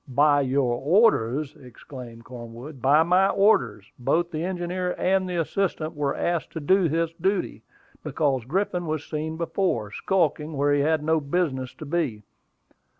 "By your orders?" exclaimed Cornwood. "By my orders. Both the engineer and the assistant were asked to do this duty, because Griffin was seen before, skulking where he had no business to be."